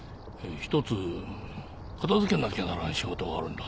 一つ片づけなきゃならん仕事があるんだ。